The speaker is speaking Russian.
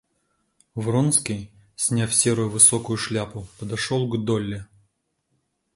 Вронский, сняв серую высокую шляпу, подошел к Долли.